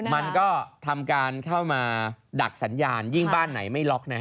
มันก็ทำการเข้ามาดักสัญญาณยิ่งบ้านไหนไม่ล็อกนะฮะ